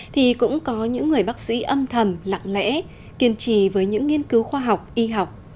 thì cũng có những người bác sĩ âm thầm lặng lẽ kiên trì với những nghiên cứu khoa học y học